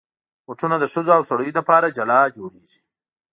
بوټونه د ښځو او سړیو لپاره جلا جوړېږي.